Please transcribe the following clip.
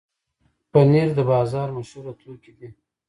پنېر د بازار مشهوره توکي دي.